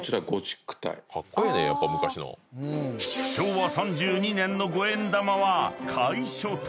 ［昭和３２年の五円玉は楷書体］